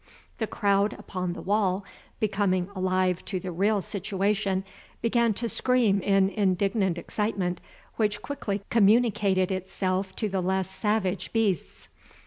The crowd upon the wall, becoming alive to the real situation, began to scream in indignant excitement which quickly communicated itself to the less savage beasts.